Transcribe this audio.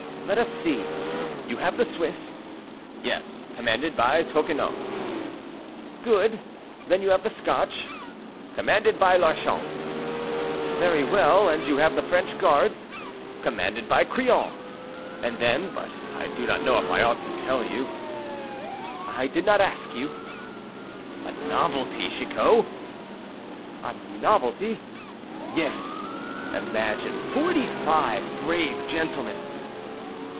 "Let us see: you have the Swiss—" "Yes, commanded by Tocquenot." "Good! then you have the Scotch—" "Commanded by Larchant." "Very well! and you have the French guards—" "Commanded by Crillon. And then—but I do not know if I ought to tell you—" "I did not ask you." "A novelty, Chicot!" "A novelty?" "Yes; imagine forty five brave gentlemen."